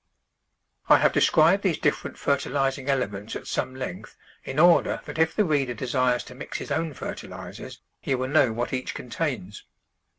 I have described these different fertilising ele ments at some length in order that if the reader desires to mix his own fertilisers he will know what each contains.